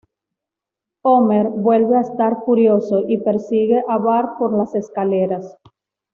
Homer vuelve a estar furioso, y persigue a Bart por las escaleras.